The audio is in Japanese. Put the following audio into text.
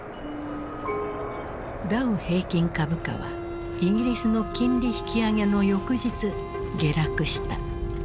ダウ平均株価はイギリスの金利引き上げの翌日下落した。